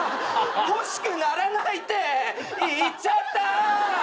欲しくならないって言っちゃった！